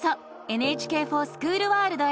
「ＮＨＫｆｏｒＳｃｈｏｏｌワールド」へ！